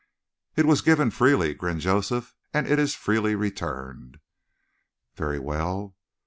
"It was given freely," grinned Joseph, "and it is freely returned." "Very well."